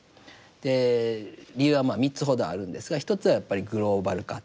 理由はまあ３つほどあるんですが１つはやっぱりグローバル化。